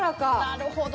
なるほど。